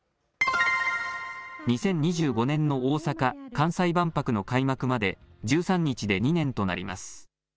２０２５年の大阪・関西万博の開幕まで１３日で２年となります。